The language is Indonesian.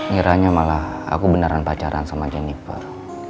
kiranya malah aku beneran pacaran sama jennifer